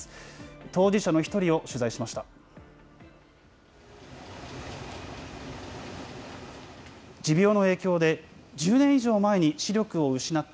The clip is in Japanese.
当事者の一人を取材しました。